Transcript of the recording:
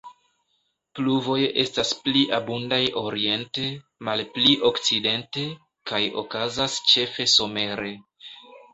Pluvoj estas pli abundaj oriente, malpli okcidente, kaj okazas ĉefe somere.